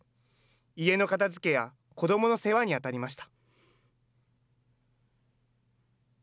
家の片づけや子どもの世話に当たりました。